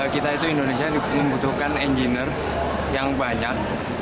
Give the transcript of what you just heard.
kita itu indonesia membutuhkan engineer yang banyak